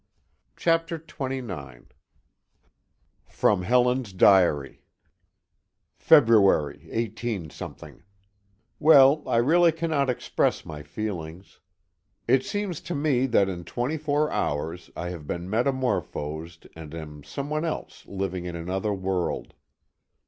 He takes her in his arms. XXIX. [From Helen's Diary.] February, 18 . Well, I really cannot express my feelings. It seems to me that in twenty four hours I have been metamorphosed and am some one else living in another world.